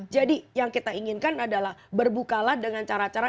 jadi yang kita inginkan adalah berbukalah dengan cara cara